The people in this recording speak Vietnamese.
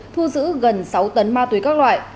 thu giữ gần sáu tấn ma túy các loại